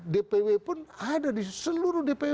dpw pun ada di seluruh dpw